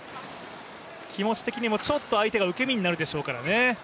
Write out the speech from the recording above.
気持ち的にもちょっと相手が受け身になるでしょうからね。